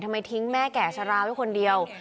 ทำไมทิ้งแม่แก่ชะลาไว้คนเดียว